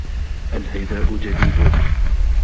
الْحِذاءُ جَدِيدُ.